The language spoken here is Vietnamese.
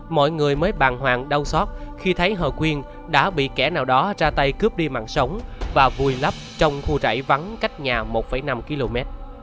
mọi người mới bàn hoàng đau xót khi thấy hợp huyền đã bị kẻ nào đó ra tay cướp đi mạng sống và vùi lắp trong khu giải vắng cách nhà một năm km